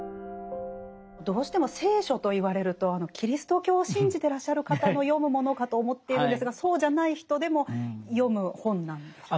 どうしても聖書と言われるとキリスト教を信じてらっしゃる方の読むものかと思っているんですがそうじゃない人でも読む本なんでしょうか？